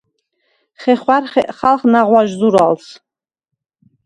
ხეხვა̈რ ხეყხალხ ნაღვაჟ ზურალს.